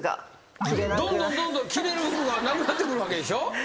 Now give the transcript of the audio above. どんどん着れる服がなくなってくるわけでしょ？